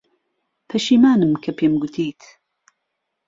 پەشیمانم کە پێم گوتیت.